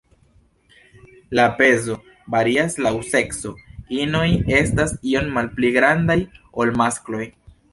La pezo varias laŭ sekso, inoj estas iom malpli grandaj ol maskloj.